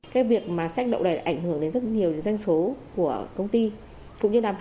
cái việc mà sách lậu này ảnh hưởng đến rất nhiều danh số của công ty